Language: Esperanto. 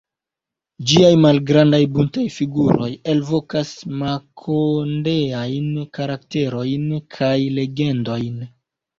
Ĝiaj malgrandaj buntaj figuroj elvokas makondeajn karakterojn kaj legendojn.